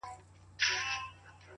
o په تا هيـــــڅ خــــبر نـــه يــــم،